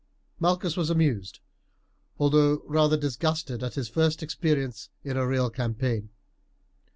Malchus was amused, although rather disgusted at his first experience in a real campaign.